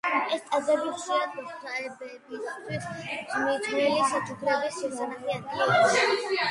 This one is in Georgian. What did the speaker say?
ეს ტაძრები ხშირად ღვთაებებისთვის მიძღვნილი საჩუქრების შესანახი ადგილი იყო.